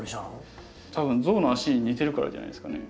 多分象のあしに似てるからじゃないですかね？